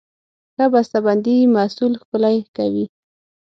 ښه بسته بندي محصول ښکلی کوي.